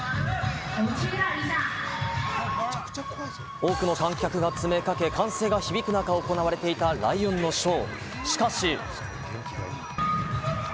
多くの観客が詰めかけ歓声が響く中、行われていたライオンのショー。